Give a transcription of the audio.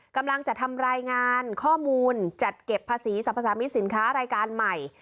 กำลังจะทำรายงานข้อมูลจัดเก็บภาษีสรรพสามิตสินค้ารายการใหม่